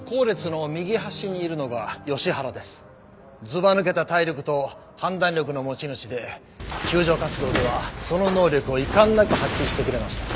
ずばぬけた体力と判断力の持ち主で救助活動ではその能力を遺憾なく発揮してくれました。